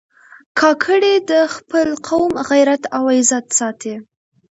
کاکړي د خپل قوم غیرت او عزت ساتي.